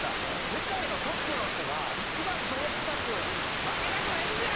世界のトップの人が一番泥臭く負けたくないんじゃ！